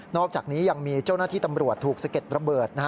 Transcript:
อกจากนี้ยังมีเจ้าหน้าที่ตำรวจถูกสะเก็ดระเบิด